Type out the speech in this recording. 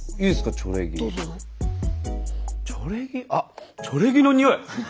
チョレギあっチョレギのにおい！